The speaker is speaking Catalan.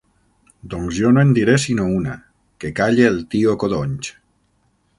Doncs jo no en diré sinó una: «que calle el tio Codonys!»